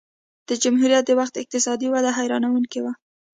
د جمهوریت د وخت اقتصادي وده حیرانوونکې وه